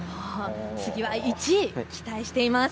次は１位期待しています。